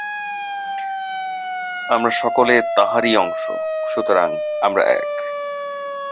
আমরা সকলে তাঁহারই অংশ, সুতরাং আমরা এক।